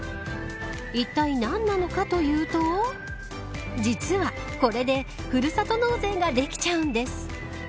いったい何なのかというと実は、これでふるさと納税ができちゃうんです。